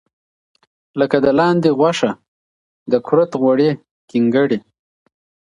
لکه د لاندې غوښه، د کورت غوړي، ګینګړي.